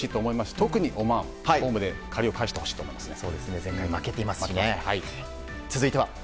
特にオマーン、ホームで借りを返してほしいと思います。